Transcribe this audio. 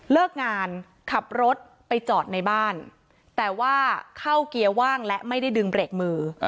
เลิกงานขับรถไปจอดในบ้านแต่ว่าเข้าเกียร์ว่างและไม่ได้ดึงเบรกมือ